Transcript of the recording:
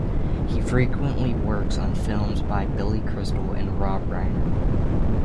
He frequently works on films by Billy Crystal and Rob Reiner.